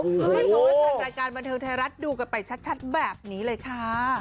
คุณผู้ชมให้แฟนรายการบันเทิงไทยรัฐดูกันไปชัดแบบนี้เลยค่ะ